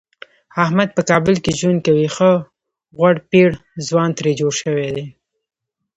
احمد په کابل کې ژوند کوي ښه غوړپېړ ځوان ترې جوړ شوی دی.